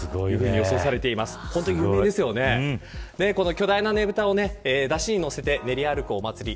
巨大なねぶたを山車に乗せて練り歩くお祭り。